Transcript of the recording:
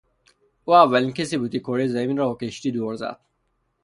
او اولین کسی بود که کرهی زمین را با کشتی دور زد.